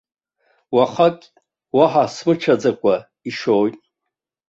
Уахагь уаҳа смыцәаӡакәа ишоит.